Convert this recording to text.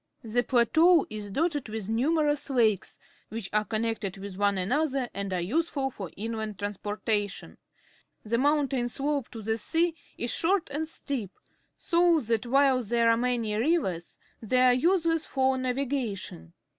The plateau is dotted with numerous lakes, which are connected with one another and are useful for inland trans portation. The mountain slope to the sea is short and steep, so that while there are many rivers, they are useless for na\'igation.